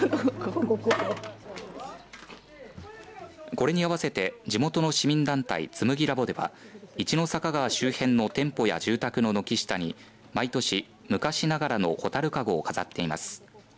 これに合わせて地元の市民団体つむぎラボでは一の坂川周辺の店舗や住宅の軒下に毎年昔ながらの蛍かごを飾っています。